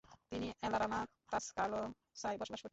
তিনি অ্যালাবামা তাসকালোসায় বসবাস করতেন।